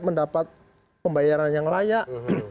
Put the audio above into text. mendapat pembayaran yang layak